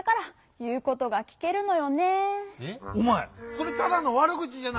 それただのわる口じゃないか。